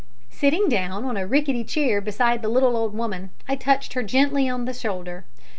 Sitting down on a rickety chair beside the little old woman, I touched her gently on the shoulder.